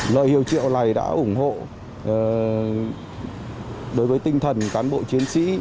lời hiệu triệu này đã ủng hộ đối với tinh thần cán bộ chiến sĩ